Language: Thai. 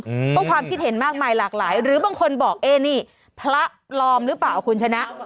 อืมก็ความคิดเห็นมากมายหลากหลายหรือบางคนบอกเอ๊นี่พระปลอมหรือเปล่าคุณชนะ